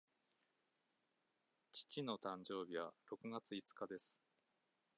父の誕生日は六月五日です。